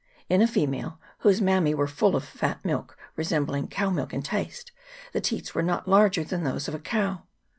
In a female, whose inammse were full of a fat milk resembling cow milk in taste, the teats were not larger than those of a cow.